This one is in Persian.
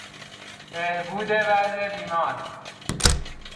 بهبود وضع بیمار